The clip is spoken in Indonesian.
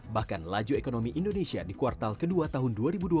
bahkan laju ekonomi indonesia di kuartal kedua tahun dua ribu dua puluh